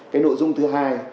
cái nội dung thứ hai